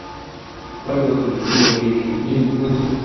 赖郭子仪处理平定乱事。